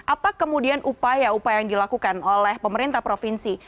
apa kemudian upaya upaya yang dilakukan oleh pemerintah provinsi